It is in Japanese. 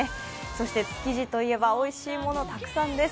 そして築地といえばおいしいものたくさんです。